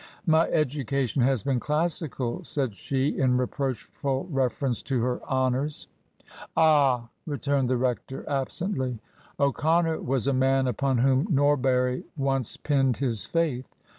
" My education has been classical," said she, in re proachful reference to her " honours." "Ah!" returned the rector, absently. "O'Connor was a man upon whom Norbury once pinned his faith.